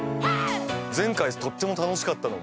前回とっても楽しかったので。